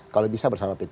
kalau bisa bersama p tiga